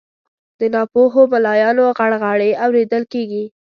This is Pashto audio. د ناپوهو ملایانو غرغړې اورېدل کیږي